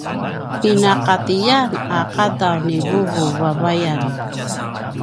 inaqatiyan a qadaw ni vuvu vavayan